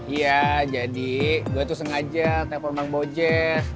iya jadi gue tuh sengaja telepon bang bojek